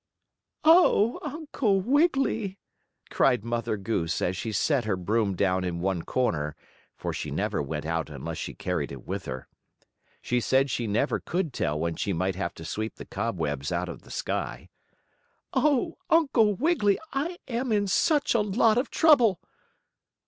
"Oh, Uncle Wiggily!" cried Mother Goose, as she set her broom down in one corner, for she never went out unless she carried it with her. She said she never could tell when she might have to sweep the cobwebs out of the sky. "Oh, Uncle Wiggily, I am in such a lot of trouble!"